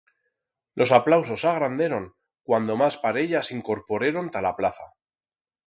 Los aplausos s'agranderon cuando mas parellas s'incorporeron ta la plaza.